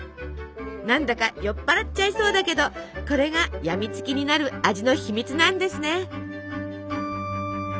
なんだか酔っ払っちゃいそうだけどこれが病みつきになる味の秘密なんですね。